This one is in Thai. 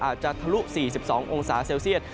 อาจจะทะลุ๔๒องศาเซลเซียต